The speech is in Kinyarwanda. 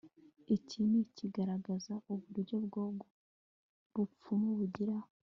Iki nikigaragaza uburyo ubwo bupfumu bugira